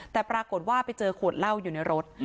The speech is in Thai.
แต่ปรากฏว่าไปเจอขวดเหล้าอยู่ในรถ